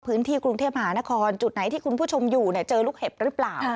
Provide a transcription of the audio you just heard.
พื้นที่กรุงเทพมหานครจุดไหนที่คุณผู้ชมอยู่เจอลูกเห็บหรือเปล่า